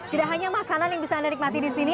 tidak hanya makanan yang bisa anda nikmati di sini